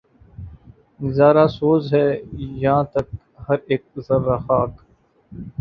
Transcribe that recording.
نظارہ سوز ہے یاں تک ہر ایک ذرّۂ خاک